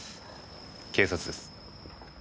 警察です。